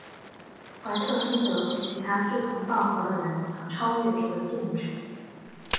怀特黑德和其他志同道合的人想超越这个限制。